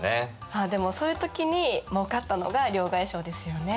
まあでもそういう時にもうかったのが両替商ですよね。